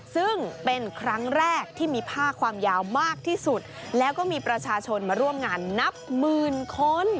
ซึ่งเป็นครั้งแรกที่มีผ้าความยาวมากที่สุดแล้วก็มีประชาชนมาร่วมงานนับหมื่นคน